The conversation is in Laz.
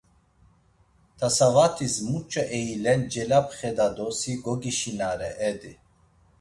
Tasavatis, muç̌e eilen celapxeda do si gogişinare Edi.